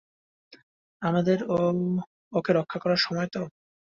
আমাদের ও, একে রক্ষা করার সময় - তো?